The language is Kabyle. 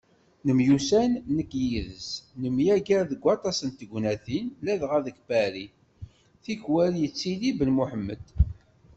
Nemyussan nekk yid-s, nemyaggar deg waṭas n tegnatin, ladɣa deg Paris, tikwal yettili Ben Muḥemmed.